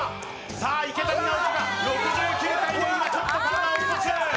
さあ、池谷直樹が今、ちょっと体を起こす。